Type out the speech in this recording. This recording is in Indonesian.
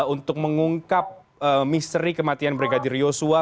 untuk mengungkap misteri kematian brigadir yosua